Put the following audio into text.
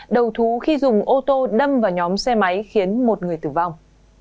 đầu thú khi dùng ô tô đâm vào nhóm xe máy khiến một người tử vong